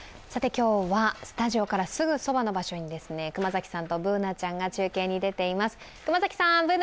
今日はスタジオからすぐそばの場所に熊崎さんとＢｏｏｎａちゃんが中継に出ています。